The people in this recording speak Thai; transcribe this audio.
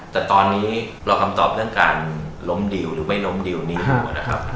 แต่ตอนนี้เราคำตอบเรื่องการล้มดิวหรือไม่ล้มดิวนี้อยู่นะครับ